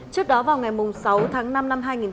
trước đó vào ngày sáu tháng năm năm hai nghìn một mươi chín